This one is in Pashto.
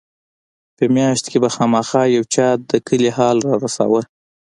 په مياشت کښې به خامخا يو چا د کلي حال رارساوه.